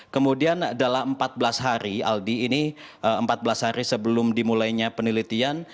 kemudian dalam empat belas hari aldi ini empat belas hari sebelum dimulainya penelitian